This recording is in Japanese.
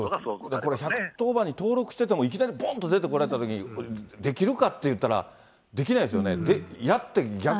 これ、１１０番に登録してても、いきなりぼんと出てこられたときに、できるかって言ったら、できないですよね。